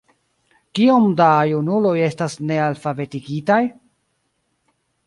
Kiom da junuloj estas nealfabetigitaj?